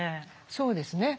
そうですね。